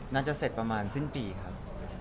น่าจะเสร็จประมาณสิ้นปีครับ